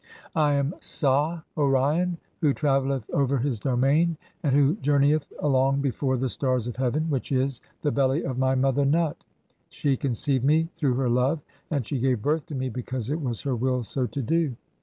I am Sah (Orion) who travelleth over his "domain and who journeyeth along before (6) the stars of heaven, "[which is] the belly of my mother Nut ; she conceived me "through her love, and she gave birth to me because it was her "will so to do.